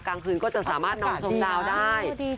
กลางคืนก็จะสามารถนอนชมดาวได้